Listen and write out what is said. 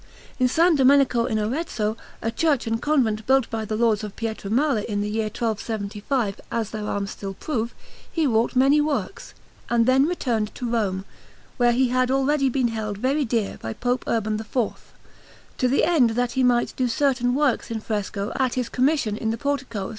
In S. Domenico in Arezzo, a church and convent built by the Lords of Pietramala in the year 1275, as their arms still prove, he wrought many works, and then returned to Rome (where he had already been held very dear by Pope Urban IV), to the end that he might do certain works in fresco at his commission in the portico of S.